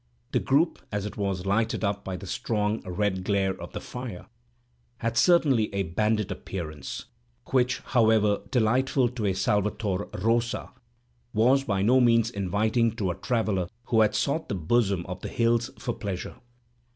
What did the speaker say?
The group, as it was lighted up by the strong red glare of the fire, had certainly a bandit appearance, which, however delightful to a Salvator Rosa, was by no means inviting to a traveller who had sought the bosom of the hills for pleasure.